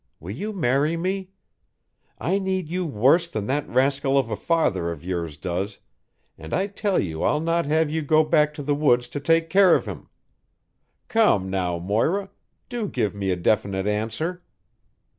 Will you marry me? I need you worse than that rascal of a father of yours does, and I tell you I'll not have you go back to the woods to take care of him. Come, now, Moira. Do give me a definite answer."